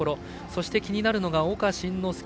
そして気になるのが岡慎之助。